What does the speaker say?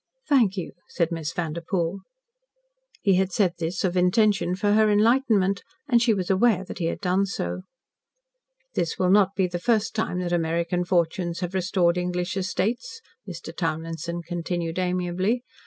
"Thank you," said Miss Vanderpoel. He had said this of intention for her enlightenment, and she was aware that he had done so. "This will not be the first time that American fortunes have restored English estates," Mr. Townlinson continued amiably.